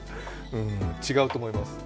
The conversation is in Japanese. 違うと思います。